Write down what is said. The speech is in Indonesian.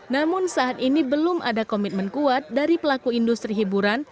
namun saat ini belum ada komitmen kuat dari pelaku industri hiburan